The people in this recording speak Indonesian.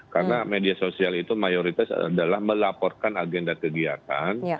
karena media sosial itu mayoritas adalah melaporkan agenda kegiatan